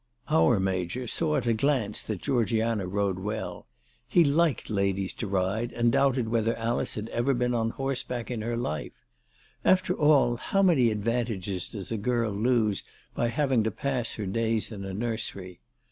Our Major saw at a glance that Georgiana rode well. ALICE DUGDALE. 347 He liked ladies to ride, and doubted whether Alice had ever been on horseback in her life. After all, how many advantages does a girl lose by having to pass her days in a nursery